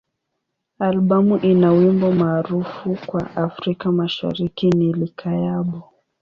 Albamu ina wimbo maarufu kwa Afrika Mashariki ni "Likayabo.